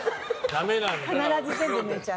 必ず全部むいちゃう。